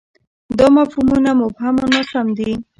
دا مفهومونه مبهم او ناسم دي.